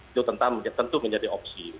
itu tentu menjadi opsi